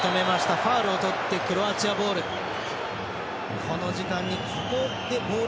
ファウルをとってクロアチアボール。